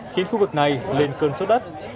khiến khu vực này lên cơn sốc đất